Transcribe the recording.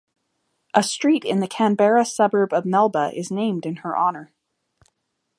A street in the Canberra suburb of Melba is named in her honour.